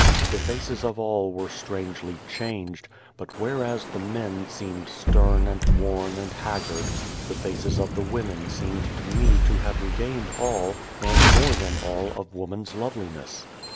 The faces of all were strangely changed, but whereas the men seemed stern and worn and haggard, the faces of the women seemed to me to have regained all, and more than all of woman's loveliness.